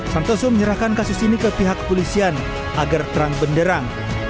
santoso menyerahkan kasus ini ke pihak polisian agar terang benderang